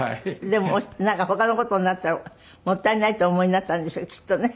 でもなんか他の事になったらもったいないとお思いになったんでしょうきっとね。